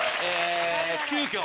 急きょ